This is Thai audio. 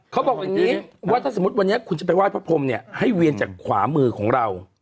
เขาบอกอย่างนี้ว่าถ้าสมมุติวันนี้คุณจะไปไห้พระพรมเนี่ยให้เวียนจากขวามือของเรา